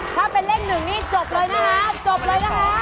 ถ้าเป็นเลข๑นี่จบเลยนะค่ะ